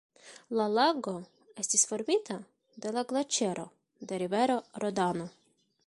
La lago estis formita de la glaĉero de rivero Rodano.